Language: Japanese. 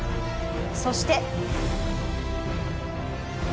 そして。